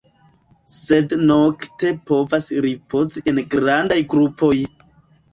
Sed nokte povas ripozi en grandaj grupoj.